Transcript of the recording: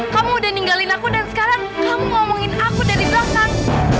kamu udah ninggalin aku dan sekarang kamu ngomongin aku dari belakang